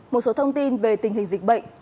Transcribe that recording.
một số thông tin về tình hình dịch bệnh